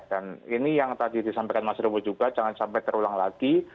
dan ini yang tadi disampaikan mas prabowo juga jangan sampai terulang lagi